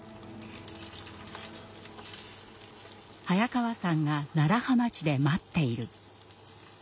「早川さんが楢葉町で待っている」。